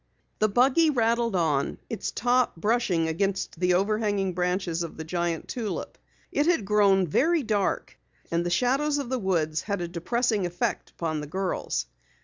The buggy rattled on, its top brushing against the overhanging branches of the giant tulip. It had grown very dark and the shadows of the woods had a depressing effect upon the girls.